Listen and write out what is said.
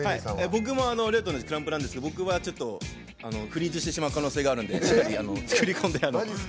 僕も同じなんですけどちょっとフリーズしてしまう可能性があるので作り込んで。